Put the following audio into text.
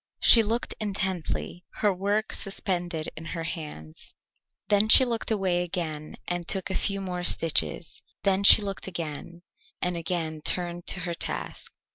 She looked intently, her work suspended in her hands. Then she looked away again and took a few more stitches, then she looked again, and again turned to her task.